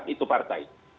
apakah itu partai